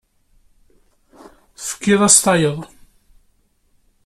Tefkiḍ-as tayet.